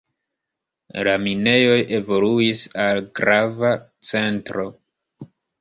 La minejoj evoluis al grava centro.